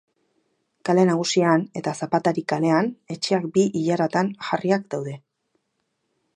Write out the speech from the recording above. Kale Nagusian eta Zapatari kalean, etxeak bi ilaratan jarriak daude.